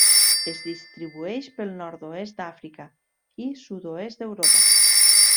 Es distribueix pel nord-oest d'Àfrica i sud-oest d'Europa.